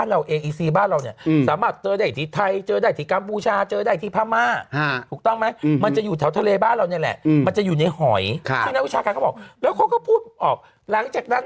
แล้วก็นักวิชาการเขาถึงมาพูดว่าเป็นไปได้